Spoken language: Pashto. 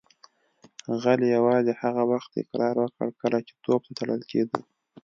غل یوازې هغه وخت اقرار وکړ کله چې توپ ته تړل کیده